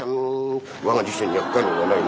我が辞書には不可能はない。